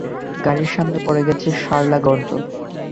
গাড়ির সামনে পড়ে গেছে, শালা গর্দভ।